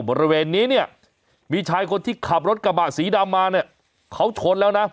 บริเวณนี้เนี่ยมีชายคนที่ขับรถกระบะสีดำมาเนี่ยเขาชนแล้วนะ